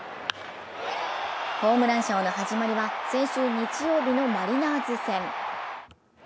ホームランショーの始まりは先週日曜日のマリナーズ戦。